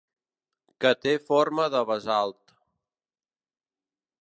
Que té forma de basalt.